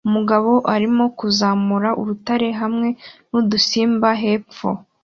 Umugabo arimo kuzamuka urutare hamwe nudusimba hepfo